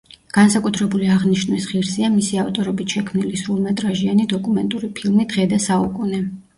განსაკუთრებული აღნიშვნის ღირსია მისი ავტორობით შექმნილი სრულმეტრაჟიანი დოკუმენტური ფილმი „დღე და საუკუნე“.